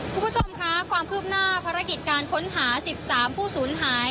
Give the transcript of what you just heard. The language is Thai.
คุณผู้ชมคะความคืบหน้าภารกิจการค้นหา๑๓ผู้สูญหาย